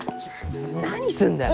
何すんだよ？